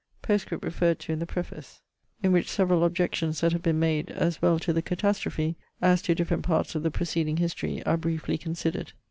POSTSCRIPT REFERRED TO IN THE PREFACE In which several objections that have been made, as well to the catastrophe, as to different parts of the preceding history, are briefly considered.